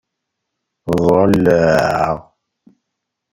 Ẓẓulleɣ.